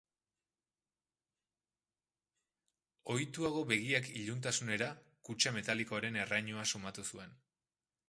Ohituago begiak iluntasunera, kutxa metalikoaren errainua sumatu zuen.